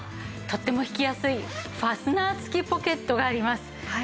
とっても引きやすいファスナー付きポケットがあります。